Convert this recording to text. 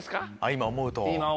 今思うと。